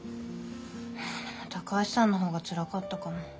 いやでも高橋さんの方がつらかったかも。